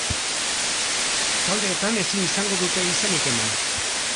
Taldeetan ezin izango dute izenik eman.